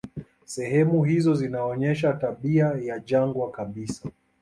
Sehemu hizo zinaonyesha tabia ya jangwa kabisa.